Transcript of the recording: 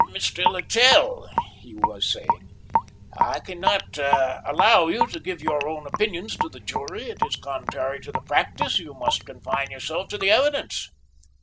"Mr. Littell," he was saying, "I cannot allow you to give your own opinions to the jury; it is contrary to the practice; you must confine yourself to the evidence."